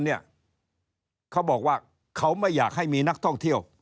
เขาบอกว่าเขาไม่อยากให้มีนักท่องเที่ยว